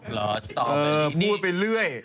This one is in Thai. หรอสตอพูดไปเรื่อย